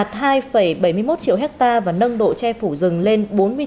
hai bảy mươi một triệu hectare và nâng độ che phủ rừng lên bốn mươi chín tám